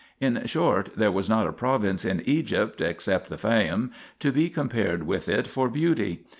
In short, there was not a province in Egypt except the Fayum, to be compared with it for beauty.